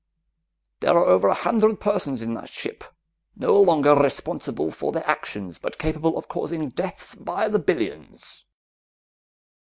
There are over a hundred persons in that ship, no longer responsible for their actions but capable of causing deaths by the billions.